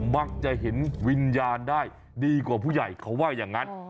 มักจะเห็นวิญญาณได้ดีกว่าผู้ใหญ่เขาว่าอย่างนั้น